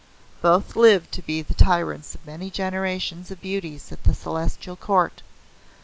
Both lived to be the tyrants of many generations of beauties at the Celestial Court.